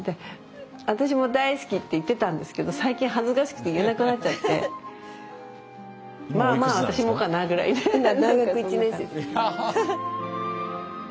「私も大好き」って言ってたんですけど最近恥ずかしくて言えなくなっちゃって「まあまあ私もかな」ぐらいでなんかそんな感じ。